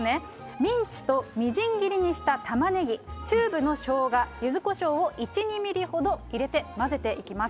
ミンチとみじん切りにしたタマネギ、チューブのしょうが、ゆずこしょうを１、２ミリほど入れて、混ぜていきます。